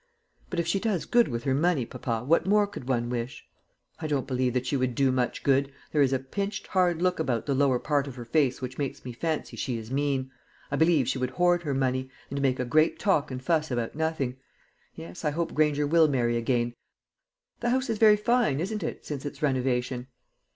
"But if she does good with her money, papa, what more could one wish?" "I don't believe that she would do much good. There is a pinched hard look about the lower part of her face which makes me fancy she is mean. I believe she would hoard her money, and make a great talk and fuss about nothing. Yes, I hope Granger will marry again. The house is very fine, isn't it, since its renovation?"